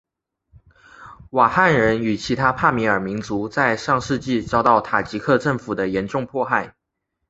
瓦罕人与其他帕米尔民族在上世纪遭到塔吉克政府的严重迫害。